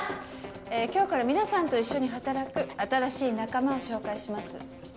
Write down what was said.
えぇ今日から皆さんと一緒に働く新しい仲間を紹介します。